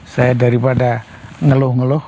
saya daripada ngeluh ngeluh